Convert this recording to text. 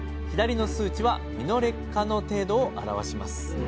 左の数値は身の劣化の程度を表します。